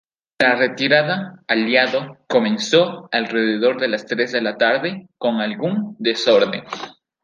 La retirada aliado comenzó alrededor de las tres de la tarde con algún desorden.